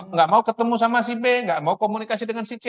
nggak mau ketemu sama si b nggak mau komunikasi dengan si c